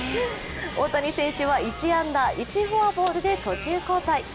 大谷選手は１安打、１フォアボールで途中交代。